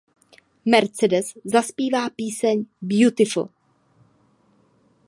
Mercedes zazpívá píseň „Beautiful“.